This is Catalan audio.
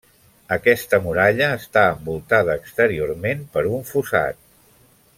Aquesta muralla està envoltada exteriorment per un fossat.